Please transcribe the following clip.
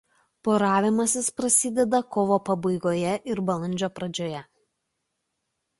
Poravimasis prasideda kovo pabaigoje ir balandžio pradžioje.